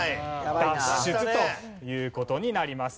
脱出という事になります。